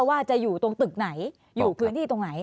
ว่าจะอยู่ตรงตึกไหนอยู่พื้นที่ตรงไหน